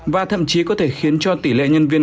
và thậm chí có thể khiến cho tỷ lệ nhân viên